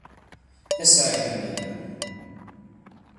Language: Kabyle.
Ad as-ɛeyynen.